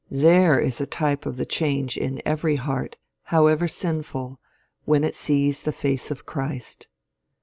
There is a type of the change in every heart, however sinful, when it sees the face of Christ.